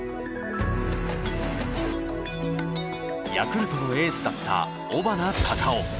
ヤクルトのエースだった尾花高夫。